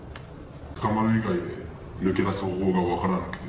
捕まる以外で抜け出す方法が分からなくて、